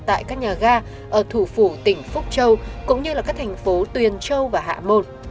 tại các nhà ga ở thủ phủ tỉnh phúc châu cũng như các thành phố tuyền châu và hạ môn